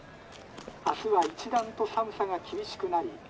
明日は一段と寒さが厳しくなり」。